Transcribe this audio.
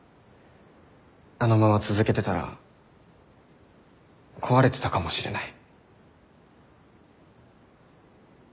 あのまま続けてたら壊れてたかもしれない。